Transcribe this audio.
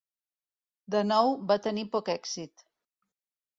De nou va tenir poc èxit.